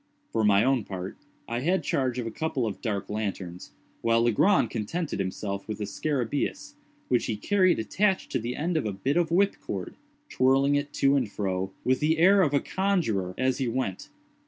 For my own part, I had charge of a couple of dark lanterns, while Legrand contented himself with the scarabæus, which he carried attached to the end of a bit of whip cord; twirling it to and fro, with the air of a conjuror, as he went.